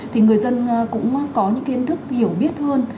thì người dân cũng có những kiến thức hiểu biết hơn